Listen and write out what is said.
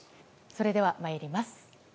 それでは参ります。